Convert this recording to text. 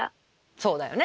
そうだよね。